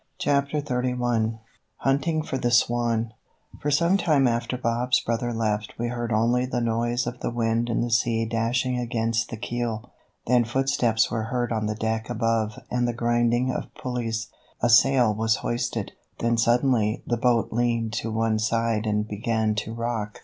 CHAPTER XXXI HUNTING FOR THE SWAN For some time after Bob's brother left we heard only the noise of the wind and the sea dashing against the keel, then footsteps were heard on the deck above and the grinding of pulleys. A sail was hoisted, then suddenly the boat leaned to one side and began to rock.